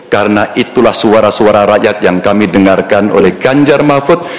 karena itulah suara suara rakyat yang kami dengarkan oleh ganjar mahfud